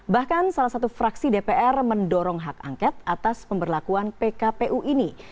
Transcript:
bahkan salah satu fraksi dpr mendorong hak angket atas pemberlakuan pkpu ini